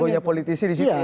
punya politisi di situ ya